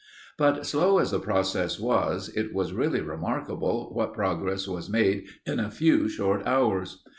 But, slow as the process was, it was really remarkable what progress was made in a few short hours.